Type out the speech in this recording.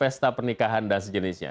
pesta pernikahan dan sejenisnya